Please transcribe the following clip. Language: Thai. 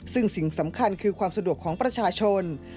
ซึ่งสิ่งสำคัญคือความสะดวกของประชาชน